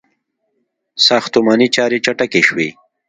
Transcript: • ساختماني چارې چټکې شوې.